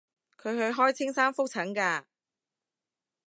佢去開青山覆診㗎